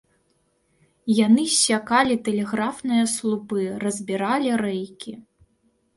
Яны ссякалі тэлеграфныя слупы, разбіралі рэйкі.